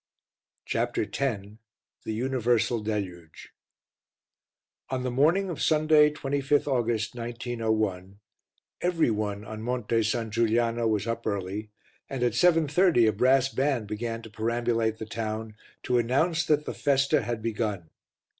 CHAPTER X THE UNIVERSAL DELUGE On the morning of Sunday, 25th August, 1901, every one on Monte San Giuliano was up early and at 7.30 a brass band began to perambulate the town to announce that the festa had begun.